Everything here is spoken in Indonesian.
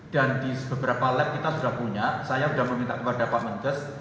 dan di beberapa lab kita sudah punya saya sudah meminta kepada pak mendes